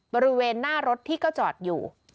บริเวณหน้ารถที่ก็จอดอยู่